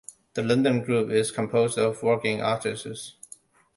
The London Group is composed of working artists.